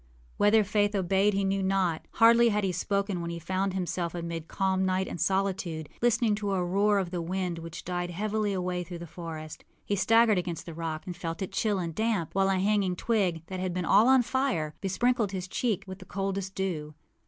â Whether Faith obeyed he knew not. Hardly had he spoken when he found himself amid calm night and solitude, listening to a roar of the wind which died heavily away through the forest. He staggered against the rock, and felt it chill and damp; while a hanging twig, that had been all on fire, besprinkled his cheek with the coldest dew.